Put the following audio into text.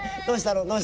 どうしたの？